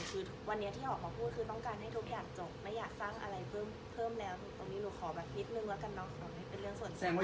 คือวันนี้ที่ออกมาพูดคือต้องการให้ทุกอย่างจบ